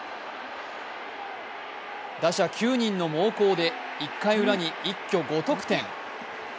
打者９人の猛攻で、１回ウラに一挙５得点。